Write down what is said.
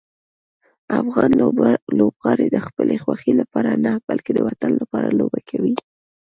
افغان لوبغاړي د خپلې خوښۍ لپاره نه، بلکې د وطن لپاره لوبه کوي.